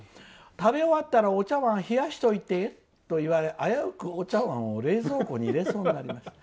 食べ終わったらお茶碗冷やしておいてといわれて危うく、お茶碗を冷蔵庫に入れそうになりました。